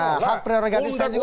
nah hak pre oregatif saya juga